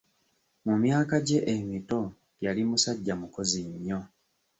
Mu myaka gye emito yali musajja mukozi nnyo.